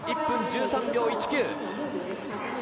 １分１３秒１９。